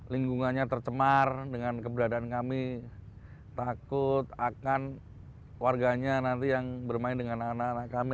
lingkungannya tercemar dengan keberadaan kami takut akan warganya nanti yang bermain dengan anak anak kami